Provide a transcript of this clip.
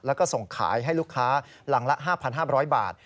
แล้วก็ส่งขายให้ลูกค้าหลังละ๕๕๐๐บาท